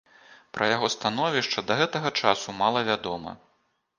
Пра яго становішча да гэтага часу мала вядома.